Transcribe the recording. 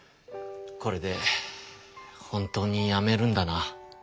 これで本当にやめるんだな。